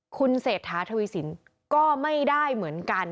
คุณเศรษฐาทวีสินก็ไม่ได้เหมือนกัน